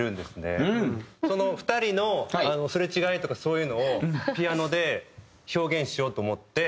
その２人のすれ違いとかそういうのをピアノで表現しようと思って。